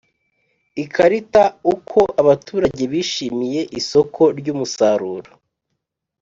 Ikarita uko abaturage bishimiye isoko ry umusaruro